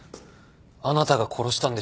あなたが殺したんでしょ？